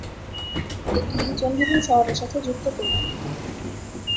এটি চন্ডীগড় শহরের সাথে যুক্ত করবে।